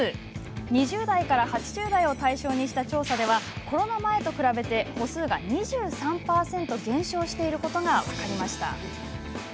２０代から８０代を対象にした調査では、コロナ前と比べ歩数が２３％減少していることが分かりました。